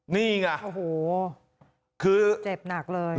นี่ไงโอ้โหคือเจ็บหนักเลย